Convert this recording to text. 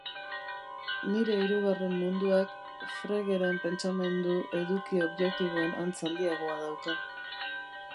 Nire hirugarren munduak Fregeren pentsamendu eduki objektiboen antz handiagoa dauka.